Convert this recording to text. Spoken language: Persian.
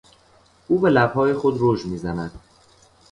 او به لبهای خود رژ میزند.